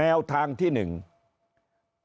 แนวทางที่หนึ่งถ้าสารรัฐมนุน